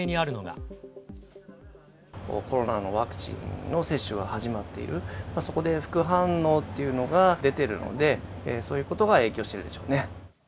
コロナのワクチンの接種が始まっている、そこで副反応というのが出ているので、そういうことが影響しているんでしょうね。